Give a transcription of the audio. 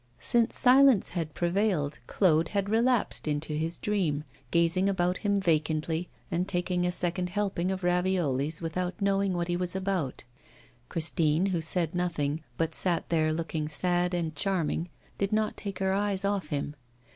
Since silence had prevailed, Claude had relapsed into his dream, gazing about him vacantly, and taking a second help of raviolis without knowing what he was about; Christine, who said nothing, but sat there looking sad and charming, did not take her eyes off him.